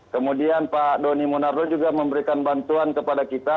kemudian pak doni monardo juga memberikan bantuan kepada kita